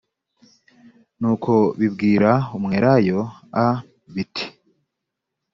nuko bibwira umwelayo a biti